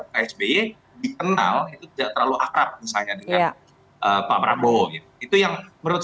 pak sby dikenal itu tidak terlalu akrab misalnya dengan pak prabowo itu yang menurut saya sebuah cerita yang bisa kita lihat benang merahnya